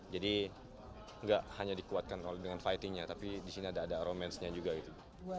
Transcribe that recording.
jadi nggak hanya dikuatkan oleh dengan fightingnya tapi di sini ada ada romancenya juga gitu